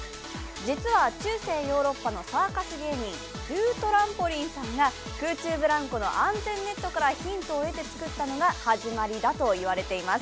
実は、中世ヨーロッパのサーカス芸人ドゥ・トランポリンさんが空中ぶらんこの安全ネットからヒントを得て作ったのが始まりだと言われています。